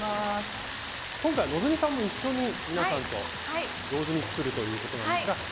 今回希さんも一緒に皆さんと同時に作るということなんですが。